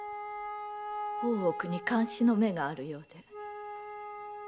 大奥に監視の目があるようで。